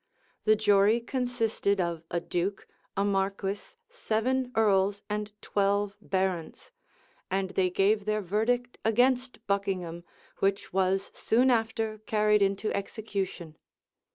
The jury consisted of a duke, a marquis, seven earls, and twelve barons; and they gave their verdict against Buckingham, which was soon after carried into execution.